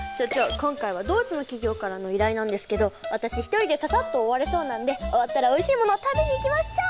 今回はドイツの企業からの依頼なんですけど私一人でささっと終われそうなんで終わったらおいしいものを食べに行きましょう！